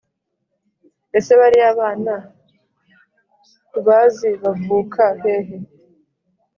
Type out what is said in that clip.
Ese bariya bana kubazi bavuka hehe?